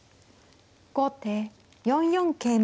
後手４四桂馬。